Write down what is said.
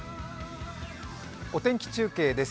お天気中継です。